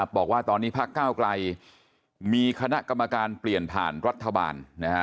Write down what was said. บอกว่าตอนนี้พักก้าวไกลมีคณะกรรมการเปลี่ยนผ่านรัฐบาล